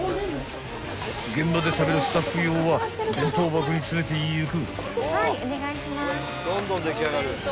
［現場で食べるスタッフ用は弁当箱に詰めてゆく］